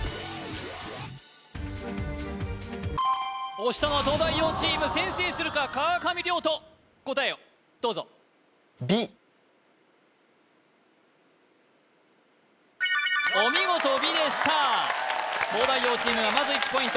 押したのは東大王チーム先制するか川上諒人答えをどうぞお見事「ビ」でした東大王チームがまず１ポイント